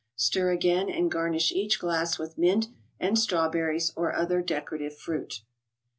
Stir again and garnish each glass with mint and strawberries, or other decorative fruit.